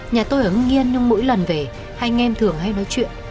nhà tôi ở hưng yên mỗi lần về anh em thường hay nói chuyện